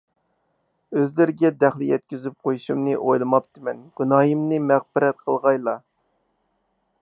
ئۆزلىرىگە دەخلى يەتكۈزۈپ قويۇشۇمنى ئويلىماپتىمەن. گۇناھىمنى مەغپىرەت قىلغايلا.